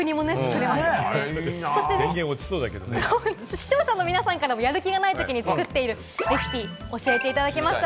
視聴者の皆さんからもやる気のないときに作っているレシピを教えてもらいました。